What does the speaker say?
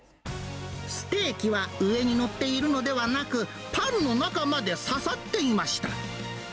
ステーキは上に載っているのではなく、パンの中まで刺さっていました。